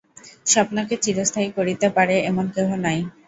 স্বপ্নকে চিরস্থায়ী করিতে পারে, এমন কেহ নাই।